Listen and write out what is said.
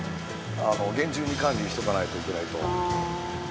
厳重に管理しとかないといけないと。